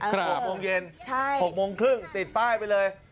ครับหกโมงเย็นใช่หกโมงครึ่งติดป้ายไปเลย